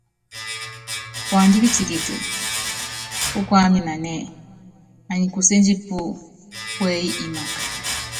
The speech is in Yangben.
Puándá kitikiti púkuáminanɛ́ɛ, anyikuséndi pú púɛyi imaka.